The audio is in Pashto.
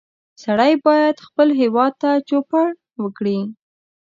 سړی باید خپل هېواد ته چوپړ وکړي